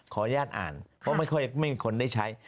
ขออนุญาตอ่านเพราะไม่ค่อยไม่มีคนได้ใช้